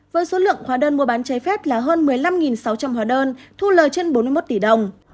với số lượng hóa đơn mua bán trái phép là hơn một mươi năm sáu trăm linh hóa đơn thu lời trên bốn mươi một tỷ đồng